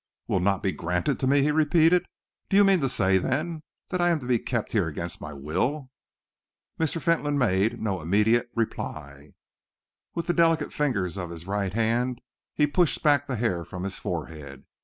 "Will not be granted to me?" he repeated. "Do you mean to say, then, that I am to be kept here against my will?" Mr. Fentolin made no immediate reply. With the delicate fingers of his right hand he pushed back the hair from his forehead.